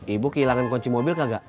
ibu kehilangan kunci mobil